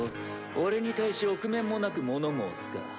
俺に対し臆面もなく物申すか。